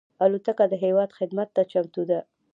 الوتکه د هېواد خدمت ته چمتو ده.